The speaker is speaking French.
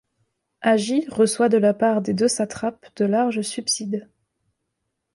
Agis reçoit de la part des deux satrapes de larges subsides.